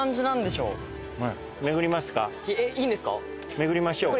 巡りましょうか。